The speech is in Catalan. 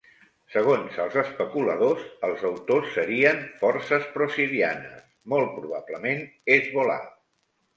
Segons els especuladors, els autors serien forces prosirianes, molt probablement Hesbol·là.